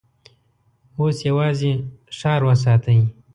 اوس يواځې ښار وساتئ!